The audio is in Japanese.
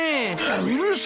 うるさい！